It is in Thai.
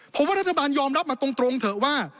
ผมว่ารัฐบาลยอมรับมาตรงเถอะว่า